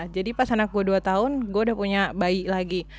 jadi pas anak gue dua tahun gue udah punya bayi lagi